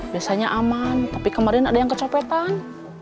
biasanya aman tapi kemarin ada yang kecopetan